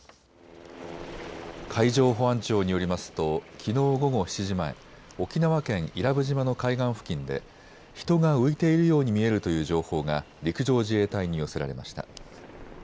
海上保安庁によりますときのう午後７時前、沖縄県伊良部島の海岸付近で人が浮いているように見えるという情報が陸上自衛隊に寄せられました。